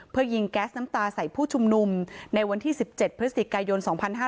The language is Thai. เพื่อยิงแก๊สน้ำตาใส่ผู้ชุมนุมในวันที่๑๗พฤศจิกายน๒๕๕๙